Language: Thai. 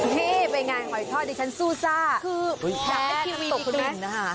เฮ้ไปงานหอยทอดที่ชั้นซู่ซ่าคือแพทย์ทีวีดีกลุ่มนะฮะ